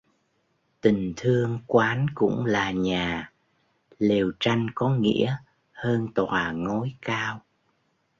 Tình thương quán cũng là nhà, lều tranh có nghĩa hơn tòa ngói cao.